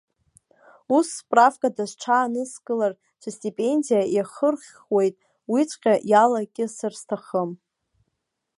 Ус справкада сҽааныскылар, сыстипендиа иахырхуеит, уиҵәҟьа иалакьысыр сҭахым.